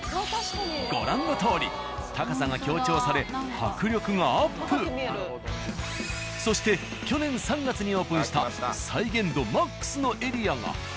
ご覧のとおり高さが強調されそして去年３月にオープンした再現度マックスのエリアが。